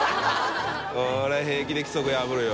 海譴平気で規則破るよ。